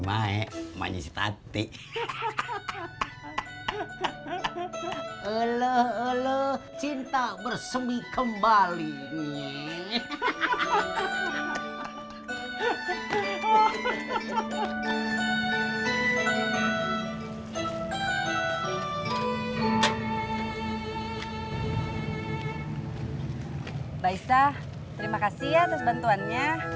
baista terima kasih ya atas bantuannya